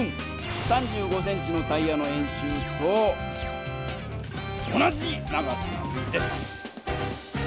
３５ｃｍのタイヤの円周と同じ長さなんです。